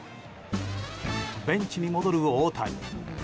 ベンチに戻る大谷。